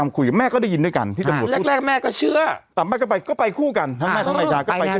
คำว่าประมาท